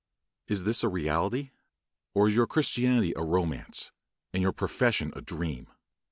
Is this a reality? or is your Christianity a romance, and your profession a dream?